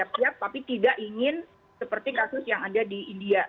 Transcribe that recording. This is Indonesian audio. siap siap tapi tidak ingin seperti kasus yang ada di india